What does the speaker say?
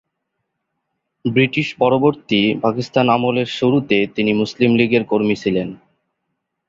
ব্রিটিশ-পরবর্তী পাকিস্তান আমলের শুরুতে তিনি মুসলিম লীগের কর্মী ছিলেন।